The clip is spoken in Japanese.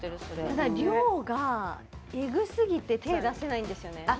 ただ量がえぐすぎて手出せないんですよね。